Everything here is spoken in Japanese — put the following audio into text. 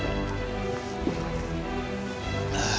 ああ！